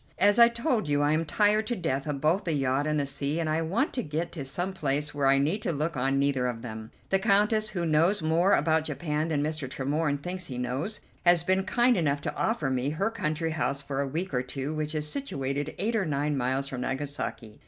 As I told you, I am tired to death of both the yacht and the sea, and I want to get to some place where I need look on neither of them. The Countess, who knows more about Japan than Mr. Tremorne thinks he knows, has been kind enough to offer me her country house for a week or two, which is situated eight or nine miles from Nagasaki.